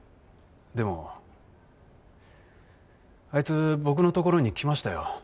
でもあいつ僕の所に来ましたよ。